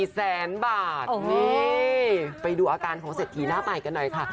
แสนบาทนี่ไปดูอาการของเศรษฐีหน้าใหม่กันหน่อยค่ะ